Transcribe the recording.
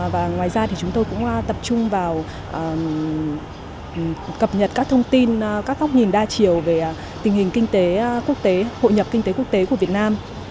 và ngoài ra thì chúng tôi cũng tập trung vào cập nhật các thông tin các góc nhìn đa chiều về tình hình kinh tế quốc tế hội nhập kinh tế quốc tế của việt nam